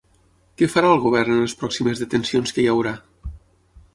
Què farà el govern en les pròximes detencions que hi haurà?